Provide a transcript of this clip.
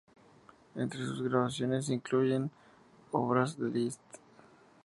Entre sus grabaciones incluyen obras de Liszt.